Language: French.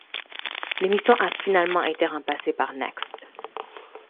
L'émission a finalement été remplacée par Next.